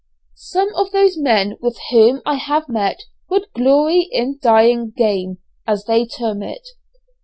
Some of those men with whom I have met would glory in dying 'game' as they term it.